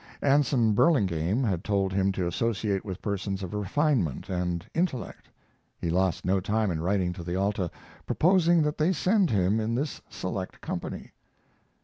Anson Burlingame had told him to associate with persons of refinement and intellect. He lost no time in writing to the Alta, proposing that they send him in this select company.